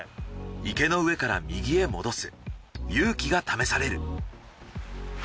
池の上から右へ戻す勇気が試される。